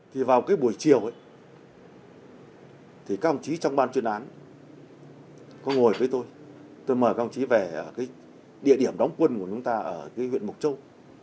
các bác sĩ trong ban chuyên án có ngồi với tôi tôi mời các bác sĩ về địa điểm đóng quân của chúng ta ở huyện mục châu